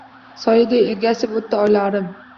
Soyaday ergashib o‘tdi oylarim.